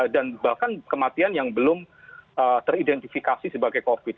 dan bahkan kematian yang belum teridentifikasi sebagai covid